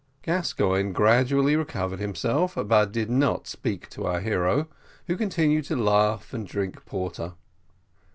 Gascoigne gradually recovered himself, but did not speak to our hero, who continued to laugh and drink porter.